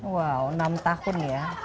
wow enam tahun ya